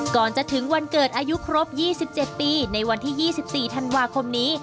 ก่อนจะถึงวันเกิดอายุครบ๒๗ปีในวันที่๒๔ธันวาคมนี้